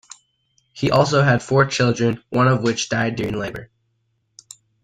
He also had four children, one of which died during labour.